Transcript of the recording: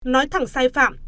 nói thẳng sai phạm